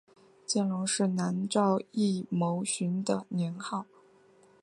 见龙是南诏异牟寻的年号。